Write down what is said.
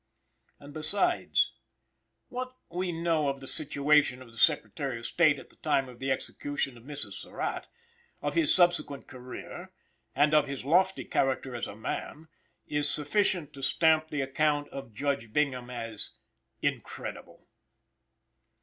And, besides, what we know of the situation of the Secretary of State at the time of the execution of Mrs. Surratt, of his subsequent career, and of his lofty character as a man, is sufficient to stamp the account of Judge Bingham as incredible.